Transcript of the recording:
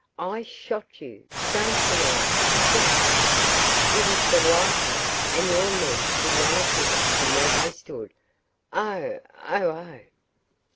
"I shot you! Don't deny it don't! It is the right arm, and your men could not have hit it from where they stood. Oh, oh, oh!"